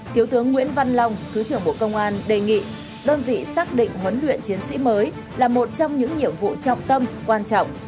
thiếu tướng nguyễn văn long thứ trưởng bộ công an đề nghị đơn vị xác định huấn luyện chiến sĩ mới là một trong những nhiệm vụ trọng tâm quan trọng